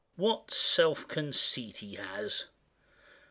What self conceit he has!